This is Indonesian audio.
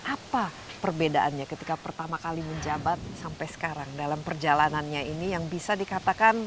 apa perbedaannya ketika pertama kali menjabat sampai sekarang dalam perjalanannya ini yang bisa dikatakan